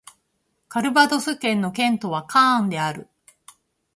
カルヴァドス県の県都はカーンである